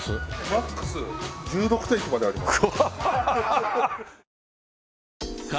マックス１６センチまであります。